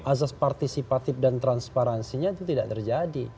azas partisipatif dan transparansinya itu tidak terjadi